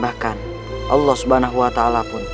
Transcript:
bahkan allah subhanahu wa ta'ala pun